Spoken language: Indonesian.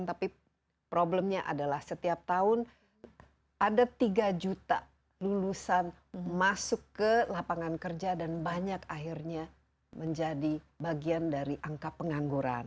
tapi problemnya adalah setiap tahun ada tiga juta lulusan masuk ke lapangan kerja dan banyak akhirnya menjadi bagian dari angka pengangguran